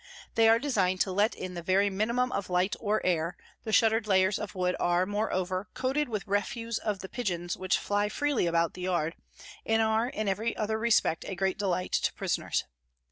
They are designed to let in the very minimum of light or air, the shuttered layers of wood are, moreover, coated with refuse of the pigeons which fly freely about the yard, and are in every other respect a great delight to prisoners.